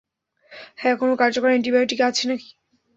হ্যাঁ কোনো কার্যকর এন্টিবায়োটিক আছে নাকি?